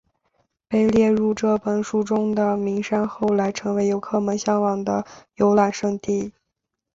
被列入这本书中的名山后来成为游客们向往的游览胜地。